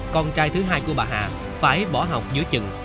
con trai thứ hai của bà hà phải bỏ học giữa chừng